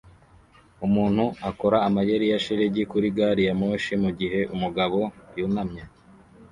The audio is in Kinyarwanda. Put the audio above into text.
Umuntu akora amayeri ya shelegi kuri gari ya moshi mugihe umugabo yunamye